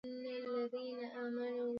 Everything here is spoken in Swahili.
Hospitali ya Aga khan ni ya kimataifa